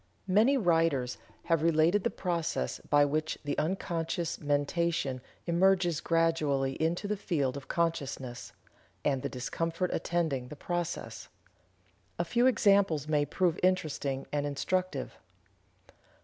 Many writers have related the process by which the unconscious mentation emerges gradually into the field of consciousness, and the discomfort attending the process. A few examples may prove interesting and instructive.